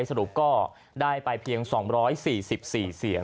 สรุปก็ได้ไปเพียง๒๔๔เสียง